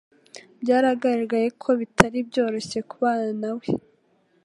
Byaragaragaye ko bitari byoroshye kubana na we.